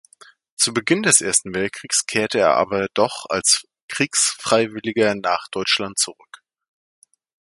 Zu Beginn des Ersten Weltkriegs kehrte er aber doch als Kriegsfreiwilliger nach Deutschland zurück.